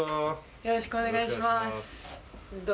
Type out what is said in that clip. よろしくお願いします。